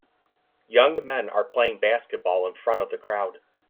Young men are playing basketball in front of the crowd.